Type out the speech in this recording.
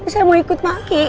saya mau ikut pakai